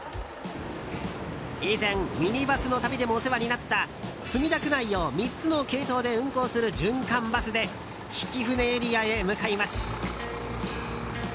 以前、ミニバスの旅でもお世話になった墨田区内を３つの系統で運行する循環バスで曳舟エリアへ向かいます。